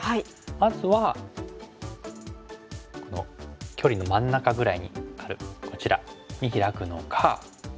まずは距離の真ん中ぐらいにあるこちらにヒラくのか。